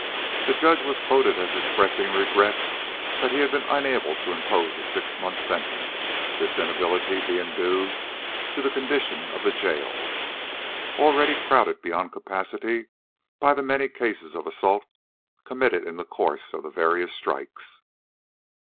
The judge was quoted as expressing regret that he had been unable to impose a six months' sentence, this inability being due to the condition of the jails, already crowded beyond capacity by the many cases of assault committed in the course of the various strikes.